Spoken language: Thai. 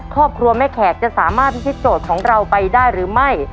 ครอบครัวแม่แขกจะสามารถพิธีโจทย์ของเราไปได้หรือไม่